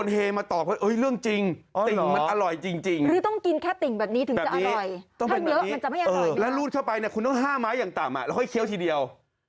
หรือกินแม่ป้ายยังต่ำค่อยเคี้ยวทีเดียว